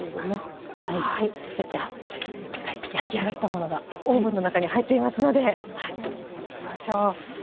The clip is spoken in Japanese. では焼き上がったものがオーブンの中に入っていますのではい行きましょう。